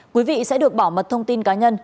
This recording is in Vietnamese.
quý vị sẽ được bảo mật thông tin cá nhân